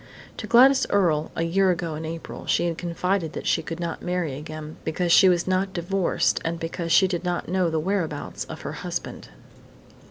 To Gladys Earle, a year ago in April, she had confided that she could not marry again, because she was not divorced and because she did not know the whereabouts of her husband.